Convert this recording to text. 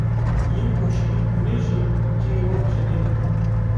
yên ku şehîd bûne jî cihê wan cinet be.